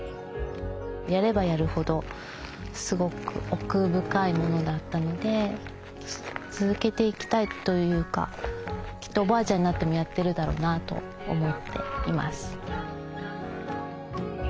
やればやるほどすごく奥深いものだったので続けていきたいというかきっとおばあちゃんになってもやってるだろうなと思っています。